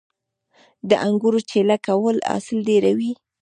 د انګورو چیله کول حاصل ډیروي